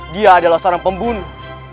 dia adalah seorang pembunuh